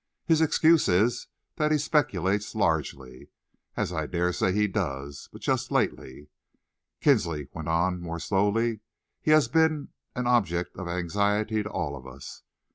His excuse is that he speculates largely, as I dare say he does; but just lately," Kinsley went on more slowly, "he has been an object of anxiety to all of us.